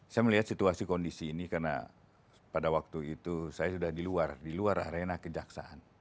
saya melihat situasi kondisi ini karena pada waktu itu saya sudah di luar arena kejaksaan